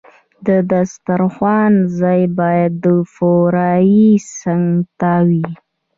د دسترخوان ځای باید د فوارې څنګ ته وي.